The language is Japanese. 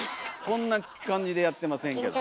こんな感じでやってませんけど。